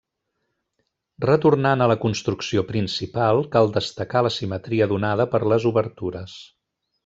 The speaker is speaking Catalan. Retornant a la construcció principal, cal destacar la simetria donada per les obertures.